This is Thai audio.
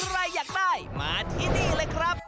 อยากได้มาที่นี่เลยครับ